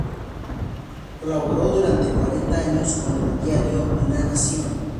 Colaboró durante cuarenta años con el diario "La Nación".